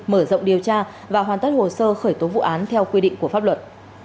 mở rộng điều tra và hoàn tất hồ sơ khởi tố vụ án theo quy định của pháp luật